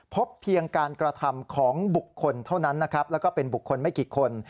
พบเพียงการกระทำของบุคคลเท่านั้นนะครับแล้วก็เป็นบุคคลไม่กี่คน